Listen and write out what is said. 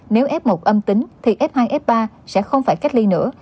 nếu f một âm tính thì f hai f ba sẽ không phải cách ly nữa